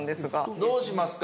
どうしますか？